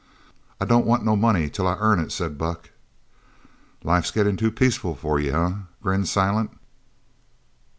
"I don't want no money till I earn it," said Buck. "Life's gettin' too peaceful for you, eh?" grinned Silent.